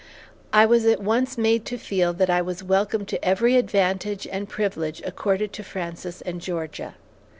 I was at once made to feel that I was welcome to every advantage and privilege accorded to Frances and Georgia.